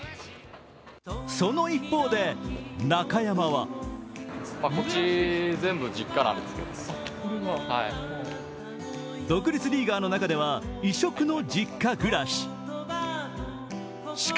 その一方で、中山は独立リーガーの中では異色の実家暮らし。